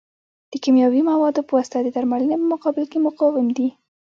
د کیمیاوي موادو په واسطه د درملنې په مقابل کې مقاوم دي.